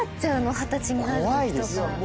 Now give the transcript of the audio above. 二十歳になるときとか。